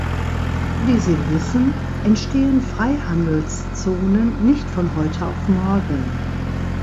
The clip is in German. Wie Sie wissen, entstehen Freihandelszonen nicht von heute auf morgen.